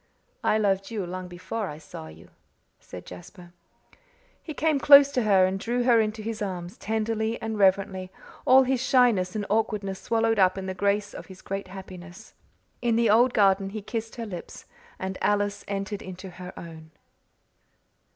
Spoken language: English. "I loved you long before I saw you," said Jasper. He came close to her and drew her into his arms, tenderly and reverently, all his shyness and awkwardness swallowed up in the grace of his great happiness. In the old garden he kissed her lips and Alice entered into her own.